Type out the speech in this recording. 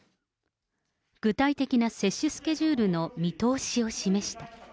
具体的な接種スケジュールの見通しを示した。